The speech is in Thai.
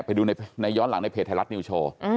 ไปดูในย้อนหลังในเพจไทยรัฐนิวโชว์